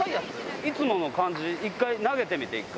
いつもの感じ、１回投げてみて、１回。